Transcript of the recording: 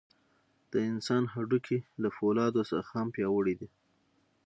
د انسان هډوکي له فولادو څخه هم پیاوړي دي.